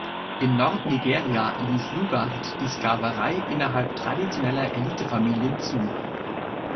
In Nordnigeria ließ Lugard die Sklaverei innerhalb traditioneller Elitefamilien zu.